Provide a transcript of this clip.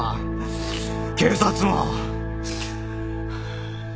警察も！